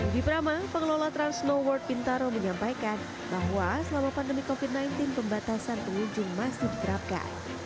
di prama pengelola trans snow world bintaro menyampaikan bahwa selama pandemi covid sembilan belas pembatasan pengunjung masih diterapkan